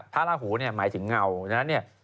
พระราหูเนี่ยหมายถึงเงาฉะนั้นเนี่ย